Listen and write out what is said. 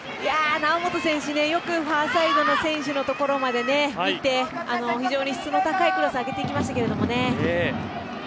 猶本選手、よくファーサイドの選手の所まで見て非常に質の高いクロス上げていきましたけどね。